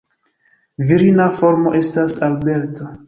Virina formo estas "Alberta".